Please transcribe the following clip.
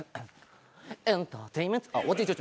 エンターテイメンッ！